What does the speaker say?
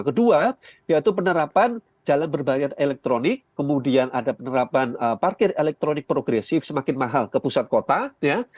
kedua yaitu penerapan jalan berbayar elektronik kemudian ada penerapan parkir elektronik progresif semakin mahal ke pusat kota ya